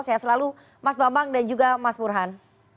saya selalu mas bambang dan juga mas burhan